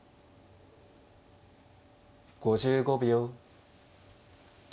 ５５秒。